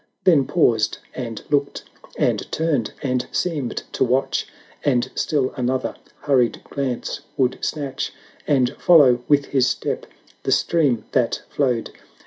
Then paused — and looked — and turned — and seemed to v^ atch, And still another hurried glance would snatch. And follow with his step the stream that flowed.